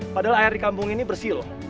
padahal air di kampung ini bersih loh